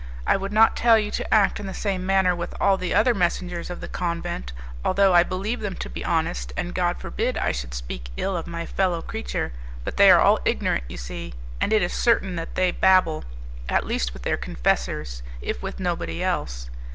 I would not tell you to act in the same manner with all the other messengers of the convent, although I believe them to be honest and God forbid I should speak ill of my fellow creature but they are all ignorant, you see; and it is certain that they babble, at least, with their confessors, if with nobody else.